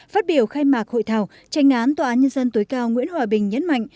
phát biểu khai mạc hội thảo tranh án tòa án nhân dân tối cao nguyễn hòa bình nhấn mạnh